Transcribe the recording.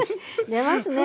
出ますね。